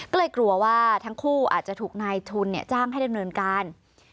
ก็เลยกลัวว่าทั้งคู่อาจจะถูกนายทุนจ้างให้ดำเนินการ